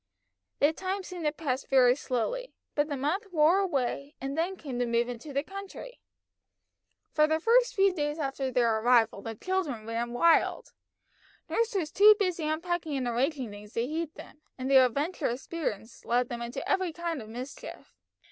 The time seemed to pass very slowly, but the month wore away, and then came the move into the country. For the first few days after their arrival the children ran wild. Nurse was too busy unpacking and arranging things to heed them, and their adventurous spirits led them into every kind of mischief.